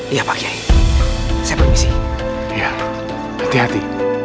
iya pak kiai saya permisi ya hati hati